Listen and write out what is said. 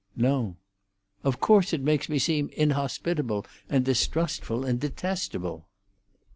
"No." "Of course it makes me seem inhospitable, and distrustful, and detestable."